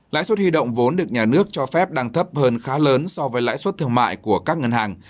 lãi suất huy động vốn được nhà nước cho phép đang thấp hơn khá lớn so với lãi suất thương mại của các ngân hàng